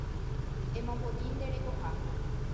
Emopotĩ nde rekoha